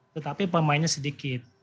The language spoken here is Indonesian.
tetapi pemainnya sedikit